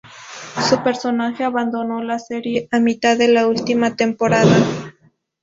Su personaje abandonó la serie a mitad de la última temporada.